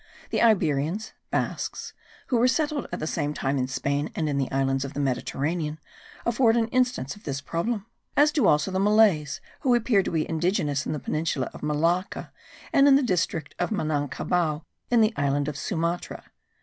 The Iberians (Basques) who were settled at the same time in Spain and in the islands of the Mediterranean, afford an instance of this problem; as do also the Malays who appear to be indigenous in the peninsula of Malacca, and in the district of Menangkabao in the island of Sumatra.